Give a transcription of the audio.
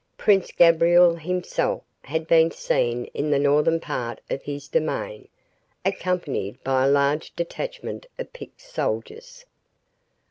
Prince Gabriel himself had been seen in the northern part of his domain, accompanied by a large detachment of picked soldiers.